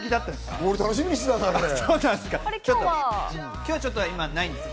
今日はちょっと今ないんです。